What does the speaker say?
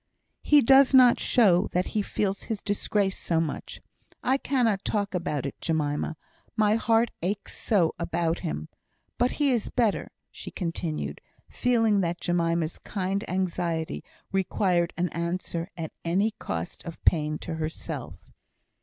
"He does not show that he feels his disgrace so much. I cannot talk about it, Jemima, my heart aches so about him. But he is better," she continued, feeling that Jemima's kind anxiety required an answer at any cost of pain to herself.